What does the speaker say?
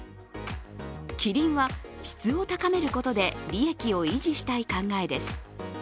キリンは、質を高めることで利益を維持したい考えです。